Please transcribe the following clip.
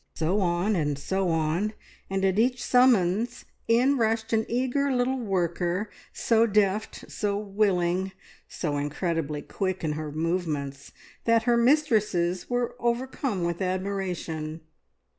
So on, and so on, and at each summons in rushed an eager little worker, so deft, so willing, so incredibly quick in her movements, that her mistresses were overcome with admiration.